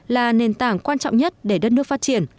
là nền tảng quan trọng nhất để đất nước phát triển